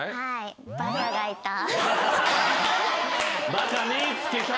バカ見つけた。